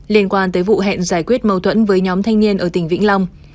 liên quan tới vụ hẹn giải quyết mâu thuẫn với nhóm thanh niên ở tỉnh vĩnh long